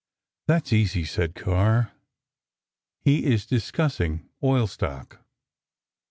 "That's easy," said Carr, "he is discussing oil stock."